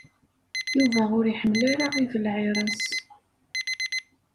Yuba ur iḥemmel ara ibelɛiraṣ.